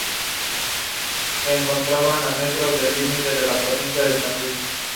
Requiere suelo húmedo, y es sensible a los cambios hidrológicos.